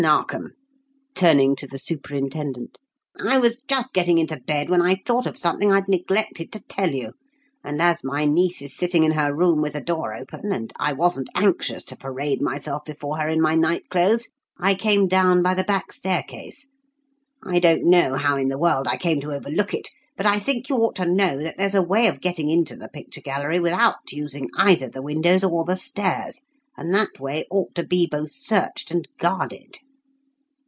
Narkom," turning to the superintendent, "I was just getting into bed when I thought of something I'd neglected to tell you; and as my niece is sitting in her room with the door open, and I wasn't anxious to parade myself before her in my night clothes, I came down by the back staircase. I don't know how in the world I came to overlook it, but I think you ought to know that there's a way of getting into the picture gallery without using either the windows or the stairs, and that way ought to be both searched and guarded."